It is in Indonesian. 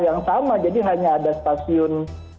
yang sama jadi hanya ada stasiun